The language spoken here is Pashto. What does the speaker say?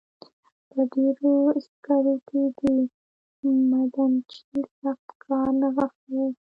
په ډبرو سکرو کې د معدنچي سخت کار نغښتی دی